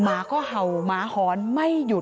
หมาก็เห่าหมาหอนไม่หยุด